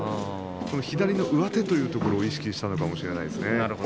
左の上手というところを意識したのかもしれません。